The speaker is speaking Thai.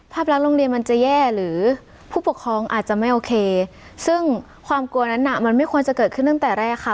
ภาพรักโรงเรียนมันจะแย่หรือผู้ปกครองอาจจะไม่โอเคซึ่งความกลัวนั้นน่ะมันไม่ควรจะเกิดขึ้นตั้งแต่แรกค่ะ